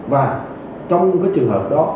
và trong cái trường hợp đó